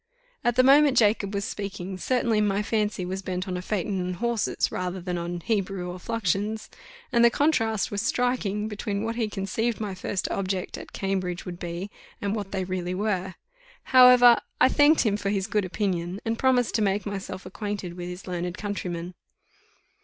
At the moment Jacob was speaking, certainly my fancy was bent on a phaeton and horses, rather than on Hebrew or fluxions, and the contrast was striking, between what he conceived my first objects at Cambridge would be, and what they really were. However, I thanked him for his good opinion, and promised to make myself acquainted with his learned countryman.